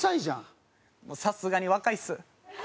さすがに若いっす。